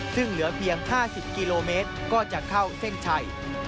ซึ่งเหลือเพียง๕๐กิโลเมตรก็จะเข้าเส้นชัย